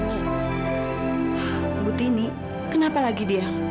ibu seneng banget milah